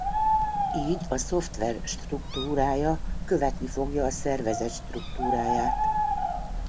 Így a szoftver struktúrája követni fogja a szervezet struktúráját.